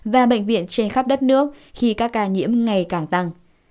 và bệnh viện trên khắp đất nước khi các ca nhiễm ngày càng tăng